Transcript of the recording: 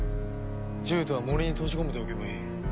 獣人は森に閉じ込めておけばいい。